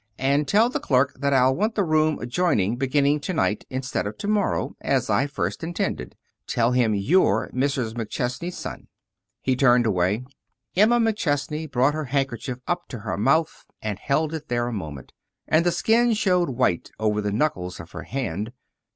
And tell the clerk that I'll want the room adjoining beginning to night, instead of to morrow, as I first intended. Tell him you're Mrs. McChesney's son." He turned away. Emma McChesney brought her handkerchief up to her mouth and held it there a moment, and the skin showed white over the knuckles of her hand.